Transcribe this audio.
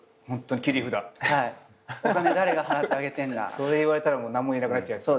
それ言われたら何も言えなくなっちゃう。